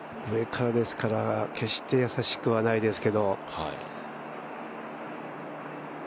上からですから、決して易しくはないですけど。